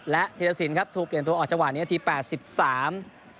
และธีรสินครับถูกเปลี่ยนตัวออกจังหวะนี้นาทีแปดสิบสาม